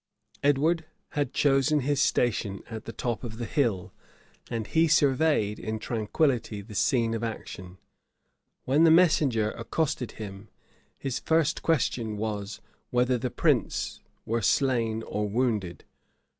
Edward had chosen his station on the top of the hill; and he surveyed in tranquillity the scene of action. When the messenger accosted him, his first question was, whether the prince were slain or wounded.